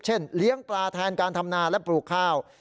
เลี้ยงปลาแทนการทำนาและปลูกข้าว